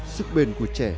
sức bền của trẻ